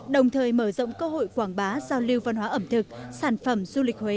đồng thời mở rộng cơ hội quảng bá giao lưu văn hóa ẩm thực sản phẩm du lịch huế